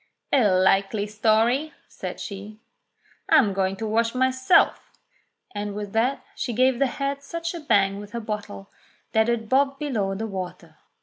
"A likely story," says she. "I'm going to wash myself.'* And with that she gave the head such a bang with her bottle that it bobbed below the water.